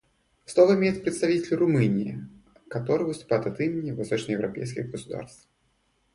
Слово имеет представитель Румынии, который выступит от имени восточноевропейских государств.